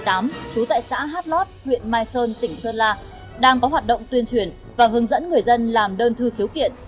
trú tại xã hát lót huyện mai sơn tỉnh sơn la đang có hoạt động tuyên truyền và hướng dẫn người dân làm đơn thư khiếu kiện